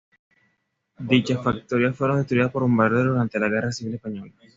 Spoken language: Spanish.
Dichas factorías fueron destruidas por bombardeos durante la guerra civil española.